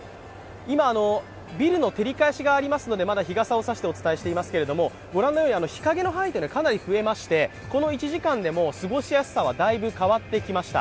今、ビルの照り返しがありますのでまだ日傘を差してお伝えしていますけれどもご覧のように日陰の範囲はかなり増えまして、この１時間でも過ごしやすさはだいぶ変わってきました。